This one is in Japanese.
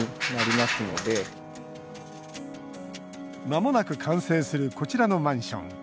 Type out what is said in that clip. まもなく完成するこちらのマンション。